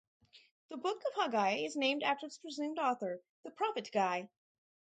The Book of Haggai is named after its presumed author, the prophet Haggai.